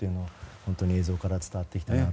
本当に映像から伝わってきたなと。